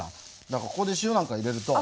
だからここで塩なんか入れると。